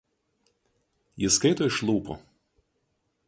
Ji skaito iš lūpų.